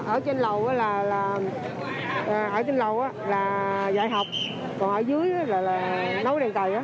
ở trên lầu là dạy học còn ở dưới là nấu đèn cháy